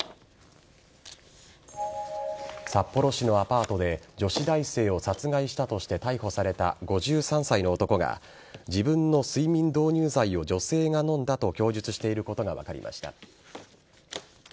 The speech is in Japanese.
札幌市のアパートで女子大生を殺害したとして逮捕された５３歳の男が自分の睡眠導入剤を女性が飲んだと供述していることが分かりました。